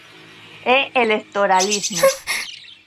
É electoralismo.